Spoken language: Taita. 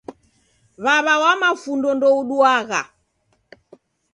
W'aw'a wa mafundo ndouduagha.